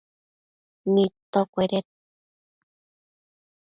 nidtocueded